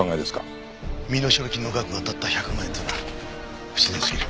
身代金の額がたった１００万円というのは不自然すぎる。